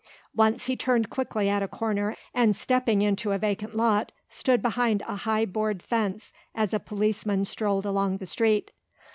Once he turned quickly at a corner and stepping into a vacant lot stood behind a high board fence as a policeman strolled along the street.